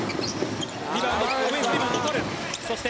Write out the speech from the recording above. リバウンドオフェンスリバウンドを取る。